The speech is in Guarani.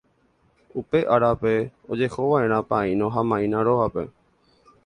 Upe árape ojehova'erã paíno ha maína rógape